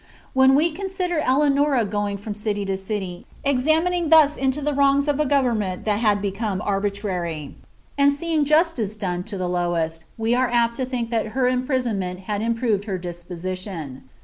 When we consider Eleanora going from city to city, examining thus ito the wrongs of a government that had become arbitrary, and seeing oMice done to the lowest, we are apt to think that her imprisonment ad impioved her disposition.